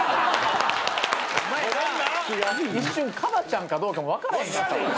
一瞬ＫＡＢＡ．ちゃんかどうかも分からへんかった。